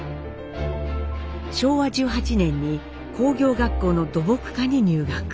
昭和１８年に工業学校の土木科に入学。